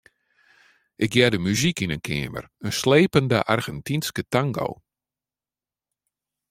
Ik hearde muzyk yn in keamer, in slepende Argentynske tango.